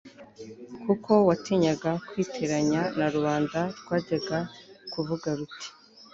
kuko yatinyaga kwiteranya na rubanda rwajyaga kuvuga ruti